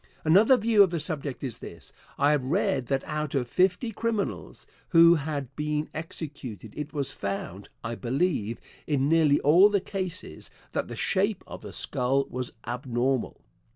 Another view of the subject is this: I have read that out of fifty criminals who had been executed it was found, I believe, in nearly all the cases, that the shape of the skull was abnormal.